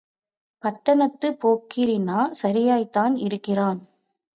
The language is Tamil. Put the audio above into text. பட்டணத்துப் போக்கிரின்னா சரியாய்த்தான் இருக்கிறான்...!